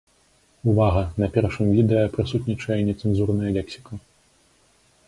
Увага, на першым відэа прысутнічае нецэнзурная лексіка!